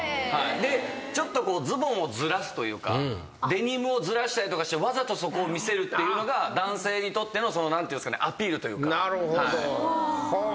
ちょっとズボンをずらすというかデニムをずらしたりとかしてわざとそこを見せるっていうのが男性にとっての何ていうんですかねアピールというか。